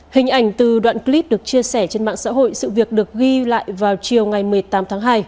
hình ảnh từ đoạn clip được chia sẻ trên mạng xã hội sự việc được ghi lại vào chiều ngày một mươi tám tháng hai